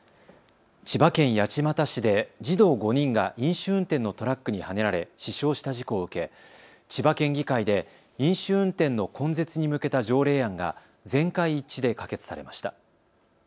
千葉県八街市で児童５人が飲酒運転のトラックにはねられ死傷した事故を受け千葉県議会で飲酒運転の根絶に向けた条例案が全会一致で可決されました。